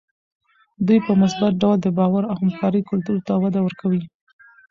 دوی په مثبت ډول د باور او همکارۍ کلتور ته وده ورکوي.